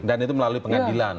dan itu melalui pengadilan